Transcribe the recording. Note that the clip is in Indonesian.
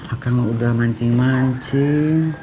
akang udah mancing mancing